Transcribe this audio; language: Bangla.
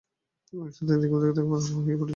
সুতরাং তিনি কিংকর্তব্যবিমূঢ় হইয়া পড়িলেন।